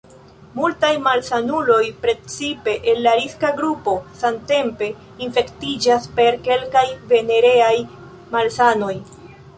Multaj malsanuloj, precipe el la riska grupo, samtempe infektiĝas per kelkaj venereaj malsanoj.